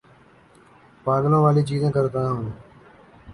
پاگلوں والی چیزیں کرتا ہوں